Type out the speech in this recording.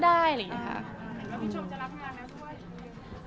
มีชมจะรับงานแล้วด้วย